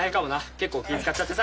結構気ぃ遣っちゃってさ。